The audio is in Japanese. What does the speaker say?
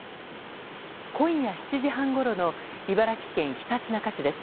今夜７時半ごろの茨城県ひたちなか市です。